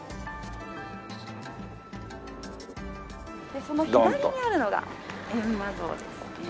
でその左にあるのが閻魔像ですね。